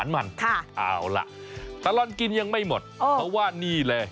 เฟนค่ะอ๋อละตลอดกินยังไม่หมดเพราะว่านี่แหละ